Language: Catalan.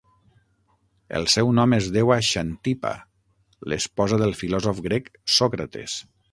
El seu nom es deu a Xantipa, l'esposa del filòsof grec Sòcrates.